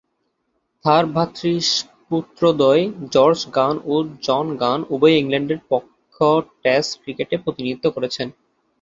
তার ভ্রাতৃস্পুত্রদ্বয় George Gunn ও জন গান উভয়েই ইংল্যান্ডের পক্ষ টেস্ট ক্রিকেটে প্রতিনিধিত্ব করেছেন।